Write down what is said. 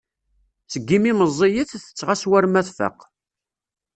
Seg imi meẓẓiyet tettɣas war ma tfaq.